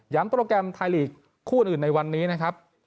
โปรแกรมไทยลีกคู่อื่นในวันนี้นะครับ